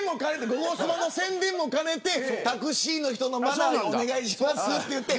ゴゴスマの宣伝も兼ねてタクシーの人のマナーはお願いしますと言って。